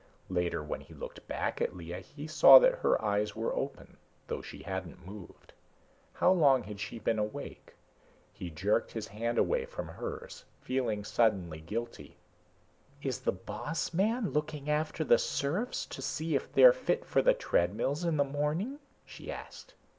Later, when he looked back at Lea he saw that her eyes were open, though she hadn't moved. How long had she been awake? He jerked his hand away from hers, feeling suddenly guilty. "Is the boss man looking after the serfs, to see if they're fit for the treadmills in the morning?" she asked.